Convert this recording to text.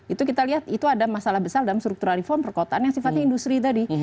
itu kita lihat itu ada masalah besar dalam struktural reform perkotaan yang sifatnya industri tadi